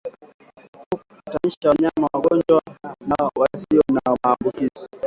Epuka kukutanisha wanyama wagonjwa na wasio na maambukizi